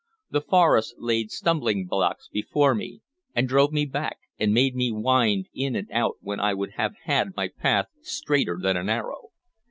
The forest laid stumbling blocks before me, and drove me back, and made me wind in and out when I would have had my path straighter than an arrow.